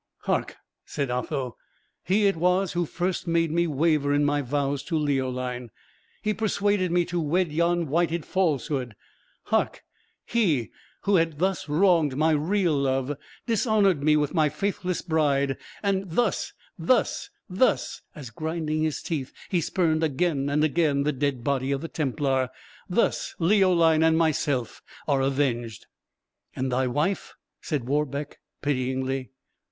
"Hark!" said Otho. "He it was who first made me waver in my vows to Leoline; he persuaded me to wed yon whited falsehood. Hark! he, who had thus wronged my real love, dishonoured me with my faithless bride, and thus thus thus" as, grinding his teeth, he spurned again and again the dead body of the Templar "thus Leoline and myself are avenged!" "And thy wife?" said Warbeck, pityingly.